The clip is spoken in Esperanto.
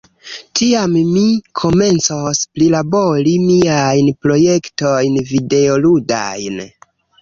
tiam mi komencos prilabori miajn projektojn videoludajn.